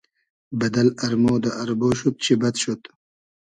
بئدئل ارمۉ دۂ اربۉ شود چی بئد شود